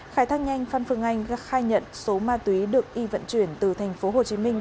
khai thác nhanh phan phương anh khai nhận số ma túy được y vận chuyển từ thành phố hồ chí minh